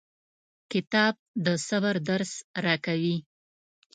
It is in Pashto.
کتاب د صبر درس راکوي.